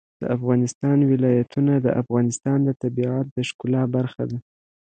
د افغانستان ولايتونه د افغانستان د طبیعت د ښکلا برخه ده.